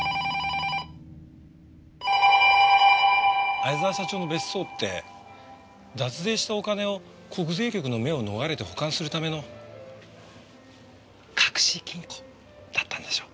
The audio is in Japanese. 逢沢社長の別荘って脱税したお金を国税局の目を逃れて保管するための隠し金庫だったんでしょ？